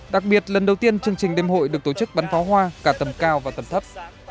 đặc biệt lần đầu tiên chương trình đêm hội được tổ chức bắn pháo hoa cả tầm cao và tầm thấp